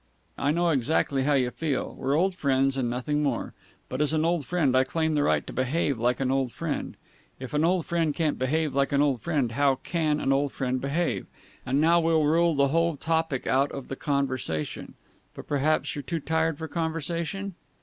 I know exactly how you feel. We're old friends, and nothing more. But, as an old friend, I claim the right to behave like an old friend. If an old friend can't behave like an old friend, how can an old friend behave? And now we'll rule the whole topic out of the conversation. But perhaps you're too tired for conversation?"